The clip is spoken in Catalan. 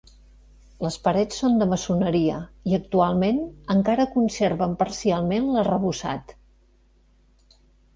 Les parets són de maçoneria i actualment encara conserven parcialment l'arrebossat.